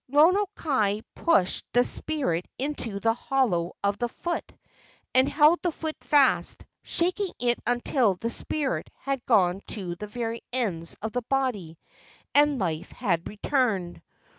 Lono kai pushed the spirit into the hollow of the foot and held the foot fast, shaking it until the spirit had gone to the very ends of the body and life had returned.